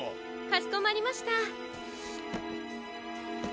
かしこまりました。